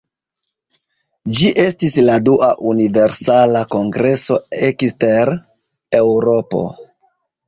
Ĝi estis la dua Universala Kongreso ekster Eŭropo.